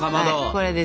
これですよ。